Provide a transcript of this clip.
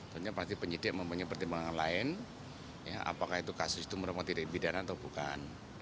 tentunya pasti penyidik mempunyai pertimbangan lain apakah itu kasus itu merupakan titik bidana atau bukan